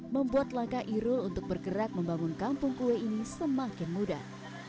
membuat langkah irul untuk bergerak membangun kampung kue ini semakin mudah